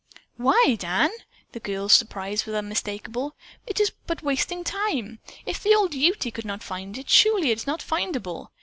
"Why, Dan," the girl's surprise was unmistakable, "it is but wasting time. If the old Ute could not find it, surely it is not findable.